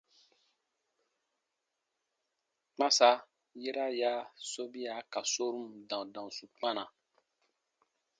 Kpãsa yera ya sobia ka sorun dandansu kpana.